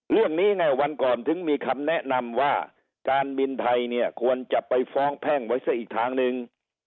เรื่องนี้ไงวันก่อนถึงมีคำแนะนำว่าการบินไทยเนี่ยควรจะไปฟ้องแพ่งไว้ซะอีกทางหนึ่ง